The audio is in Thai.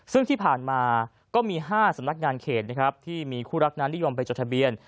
ซึ่งที่ผ่านมาก็มี๕สำนักงานเขตนะครับที่มีคู่รักนั้นนิยมไปจดทะเบียน